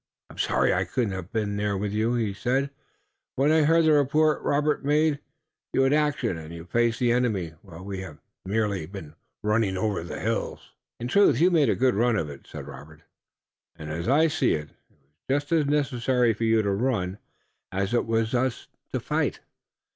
"I'm sorry I couldn't have been back there with you," he said, when he heard the report Robert made; "you had action, and you faced the enemy, while we have merely been running over the hills." "In truth you've made a good run of it," said Robert, "and as I see it, it was just as necessary for you to run as it was for us to fight.